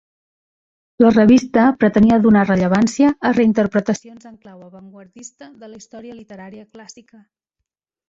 La revista pretenia donar rellevància a reinterpretacions en clau avantguardista de la història literària clàssica.